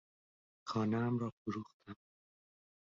خانهام را فروختم.